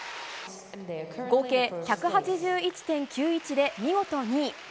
合計１８１．９１で見事２位。